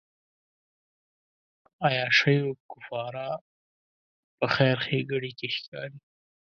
عیاشیو کفاره په خیر ښېګڼې کې ښکاري.